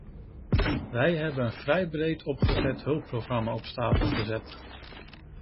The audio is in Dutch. Wij hebben een vrij breed opgezet hulpprogramma op stapel gezet.